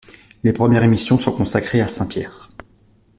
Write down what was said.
Les premières émissions sont consacrées à Saint Pierre.